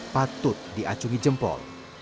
patut diacungi jempol